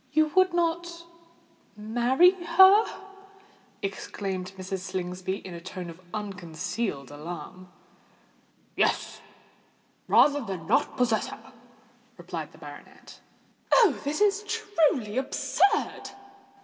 "You would not marry her?" exclaimed Mrs. Slingsby, in a tone of unconcealed alarm. "Yes—rather than not possess her," replied the baronet. "Oh! this is truly absurd!"